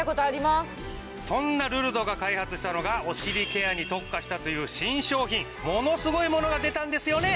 「そんなルルドが開発したのがお尻ケアに特化したという新商品」「ものすごいものが出たんですよね？」